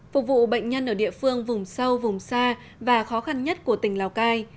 phục vụ bệnh nhân ở địa phương vùng sâu vùng xa và khó khăn nhất của tỉnh lào cai